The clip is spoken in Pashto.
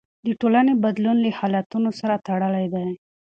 د ټولنې بدلون له حالتونو سره تړلی دی.